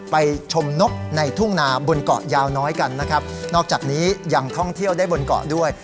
ไปชมนกในทุ่งนาบนเกาะยาวน้อยกันนะครับนอกจากนี้ยังท่องเที่ยวได้บนเกาะด้วย